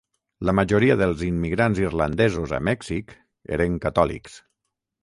La majoria dels immigrants irlandesos a Mèxic eren catòlics.